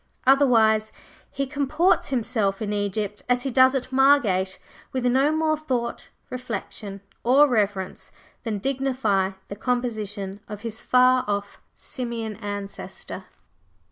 Otherwise he comports himself in Egypt as he does at Margate, with no more thought, reflection, or reverence than dignify the composition of his far off Simian ancestor.